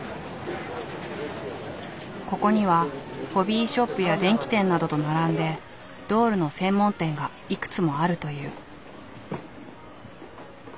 ここにはホビーショップや電器店などと並んでドールの専門店がいくつもあるという。